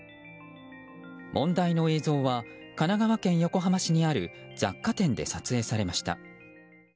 問題の映像は神奈川県横浜市にある雑貨店で撮影されました。